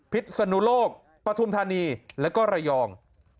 พิษสนุลกปะทุมธนีย์แล้วก็ไรอง